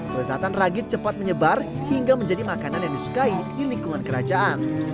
kelezatan ragit cepat menyebar hingga menjadi makanan yang disukai di lingkungan kerajaan